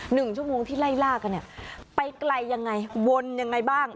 หนึ่งชั่วโมงที่ไล่ล่ากันเนี่ยไปไกลยังไงวนยังไงบ้าง